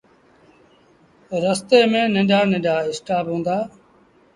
رستي ميݩ ننڍآ ننڍآ اسٽآڦ هُݩدآ۔